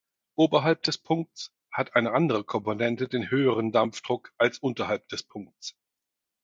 Oberhalb des Punkts hat eine andere Komponente den höheren Dampfdruck als unterhalb des Punkts.